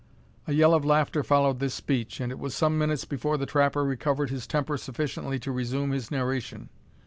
A yell of laughter followed this speech, and it was some minutes before the trapper recovered his temper sufficiently to resume his narration.